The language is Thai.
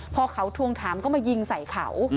พอเขาทวงถามก็มายิงใส่เขา